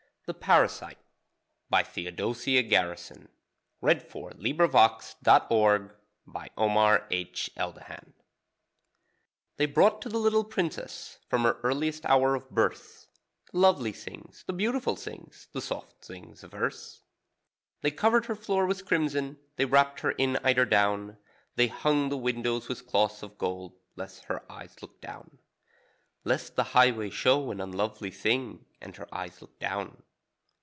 es that clamour and claim me, (Heart of my high hills, take me in.) THE PARASITE They brought to the little Princess, from her earliest hour of birth, The lovely things, the beautiful things, the soft things of earth. They covered her floor with crimson, they wrapped her in eiderdown; They hung the windows with cloth of gold, lest her eyes look down; (Lest the highway show an unlovely thing And her eyes look down.)